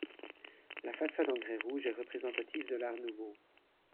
La façade en grès rouge est représentative de l'Art nouveau.